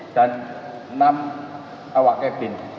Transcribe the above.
dan enam awak cabin